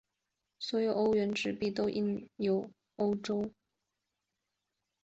所有的欧元纸币都印有欧洲央行总裁的签名。